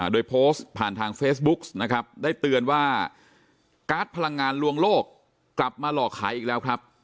โดยโพสต์ผ่านทางเฟซบุ๊กนะครับได้เตือนว่าการ์ดพลังงานลวงโลกกลับมาหลอกขายอีกแล้วครับ